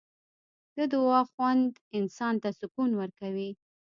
د دعا خوند انسان ته سکون ورکوي.